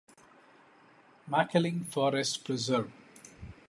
Makiling forest preserve.